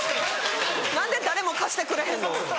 何で誰も貸してくれへんの？